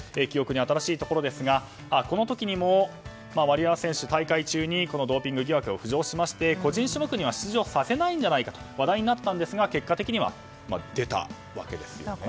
記憶に新しいところですがこの時にもワリエワ選手大会中にドーピング疑惑が浮上しまして個人種目には出場させないんじゃないと話題になったんですが、結果的に出たわけですね。